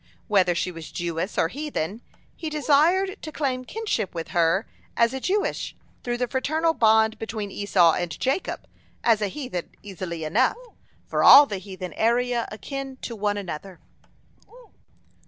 Whether she was Jewess or heathen, he desired to claim kinship with her as a Jewess through the fraternal bond between Esau and Jacob, as a heathen easily enough, "for all the heathen area akin to one another."